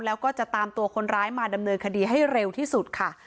แล้วก็จะตามตัวคนร้ายมาดำเนินคดีให้เร็วที่สุดค่ะ